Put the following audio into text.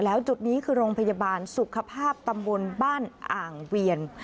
แล้วจุดนี้คือโรงพยาบาลสุขภาพตำบลบ้านอ่างเวียน